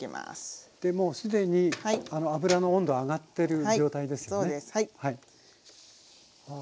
もうすでに油の温度上がってる状態ですよね。